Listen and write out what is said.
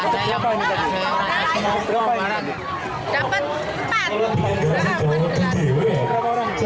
dapat empat empat empat empat dua tiga empat